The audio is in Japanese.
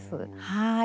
はい。